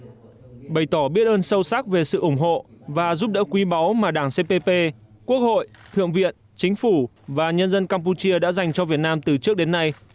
bày tỏ biết ơn sâu sắc về sự ủng hộ và giúp đỡ quý báu mà đảng cpp quốc hội thượng viện chính phủ và nhân dân campuchia đã dành cho việt nam từ trước đến nay